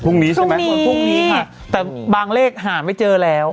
พรุ่งนี้ใช่ไหมวันพรุ่งนี้ค่ะแต่บางเลขหาไม่เจอแล้ว